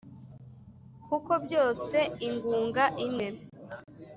Kuko byose ingunga imwe